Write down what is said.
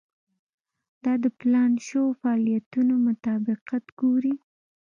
دا د پلان شوو فعالیتونو مطابقت ګوري.